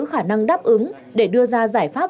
khả năng đáp ứng để đưa ra giải pháp